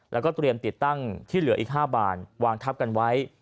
แล้วก็เตรียมติดตั้งที่เหลืออีก๕บานวางทับกันไว้